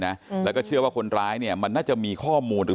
นะอืมแล้วก็เชื่อว่าคนร้ายเนี่ยมันน่าจะมีข้อมูลหรือ